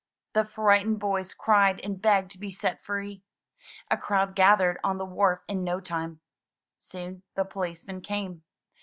The frightened boys cried and begged to be set free. A crowd gathered on the wharf in no time. Soon the policeman came.